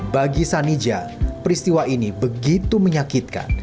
bagi sanija peristiwa ini begitu menyakitkan